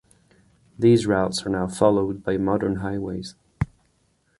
These routes are now followed by modern highways.